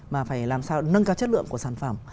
mà phải làm sao nâng cao chất lượng của sản phẩm